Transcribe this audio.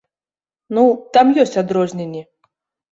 Ну, там ёсць адрозненні.